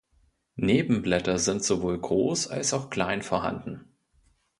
Nebenblätter sind sowohl groß als auch klein vorhanden.